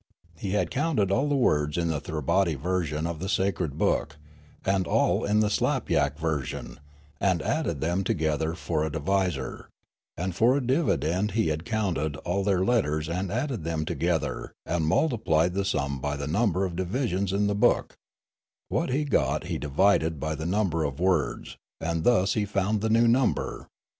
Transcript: He had counted all the words in the Thribbaty version of the sacred book, and all in the Slapyak version, and added them together for a divisor ; and for a dividend he had counted all their letters and added them together and multiplied the sum by the number of divisions in the liook ; what he got he divided by the number of words, and thus he found the new number.